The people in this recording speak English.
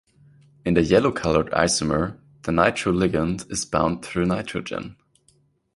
In the yellow-coloured isomer, the nitro ligand is bound through nitrogen.